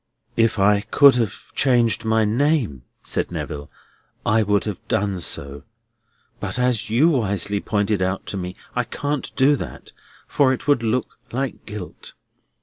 "If I could have changed my name," said Neville, "I would have done so. But as you wisely pointed out to me, I can't do that, for it would look like guilt.